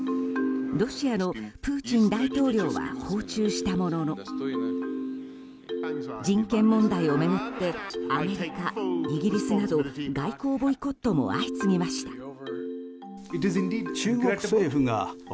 ロシアのプーチン大統領は訪中したものの人権問題を巡ってアメリカ、イギリスなど外交ボイコットも相次ぎました。